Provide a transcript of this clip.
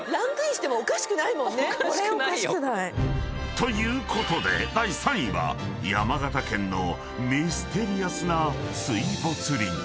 ［ということで第３位は山形県のミステリアスな水没林］